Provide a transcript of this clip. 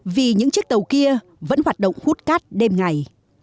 vì những chiếc tàu kia vẫn hoạt động hút cát đêm ngày